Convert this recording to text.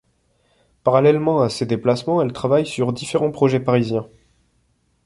Parallèlement à ces déplacements, elle travaille sur différents projets parisiens.